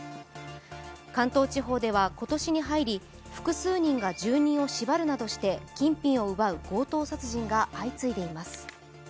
関東地方では今年に入り、複数人が住人を縛るなどして金品を奪う強盗殺人が相次いでいます。